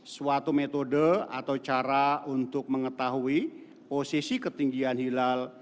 suatu metode atau cara untuk mengetahui posisi ketinggian hilal